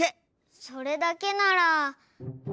それだけなら。